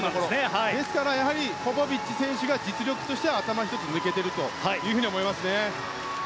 ですからポポビッチ選手が実力としては頭１つ抜けていると思います。